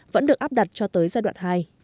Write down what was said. vẫn được áp đặt cho tới giai đoạn hai